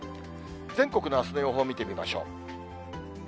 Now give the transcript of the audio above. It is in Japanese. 全国のあすの予報を見てみましょう。